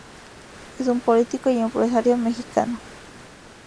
Es un político y empresario mexicano.